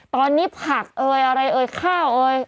ตอนนี้ผักเอ่ยอะไรเอ่ยข้าวเอ่ย